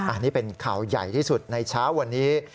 อันนี้เป็นข่าวใหญ่ที่สุดในเช้าวันนี้